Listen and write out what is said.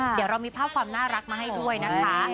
เดี๋ยวเรามีภาพความน่ารักมาให้ด้วยนะคะ